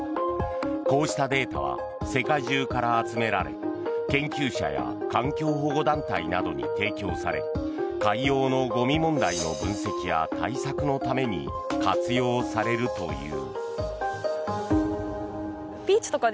こうしたデータは世界中から集められ研究者や環境保護団体などに提供され海洋のゴミ問題の分析や対策のために活用されるという。